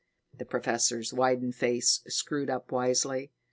The professor's wizened face screwed up wisely.